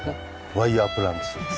ワイヤープランツです。